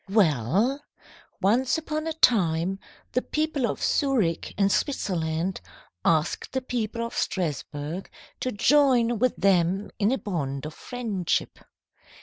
"Well, once upon a time the people of Zurich, in Switzerland, asked the people of Strasburg to join with them in a bond of friendship.